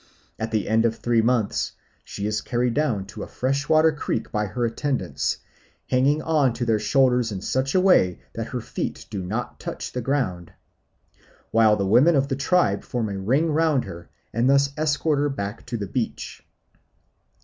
At the end of the three months she is carried down to a freshwater creek by her attendants, hanging on to their shoulders in such a way that her feet do not touch the ground, while the women of the tribe form a ring round her, and thus escort her to the beach.